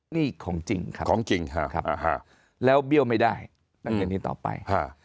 นี่ของจริงครับแล้วเบี้ยวไม่ได้ตั้งแต่นี้ต่อไป